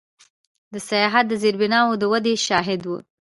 د سیاحت د زیربناوو د ودې شاهد و.